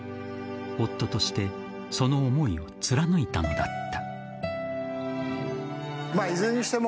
夫としてその思いを貫いたのだった。